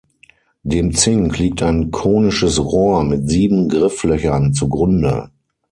Dem Zink liegt ein konisches Rohr mit sieben Grifflöchern zugrunde.